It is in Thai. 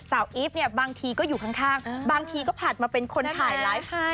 อีฟเนี่ยบางทีก็อยู่ข้างบางทีก็ผัดมาเป็นคนถ่ายไลฟ์ให้